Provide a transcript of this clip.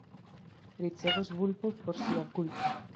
Ricevos vulpo por sia kulpo.